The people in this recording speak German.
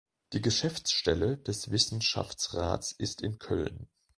Die Geschäftsstelle des Wissenschaftsrats ist in Köln.